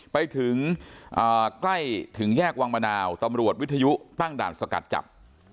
ไปถึงใกล้ถึงแยกวังมะนาวตำรวจวิทยุตั้งด่านสกัดจับ